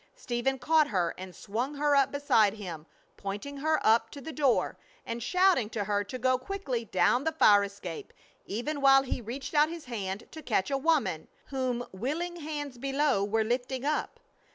Stephen caught her and swung her up beside him, pointing her up to the door, and shouting to her to go quickly down the fire escape, even while he reached out his other hand to catch a woman, whom willing hands below were lifting up.